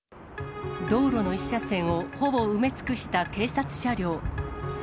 道路の１車線をほぼ埋め尽くした警察車両。